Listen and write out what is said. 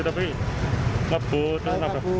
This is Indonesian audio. tapi ngebut nabrak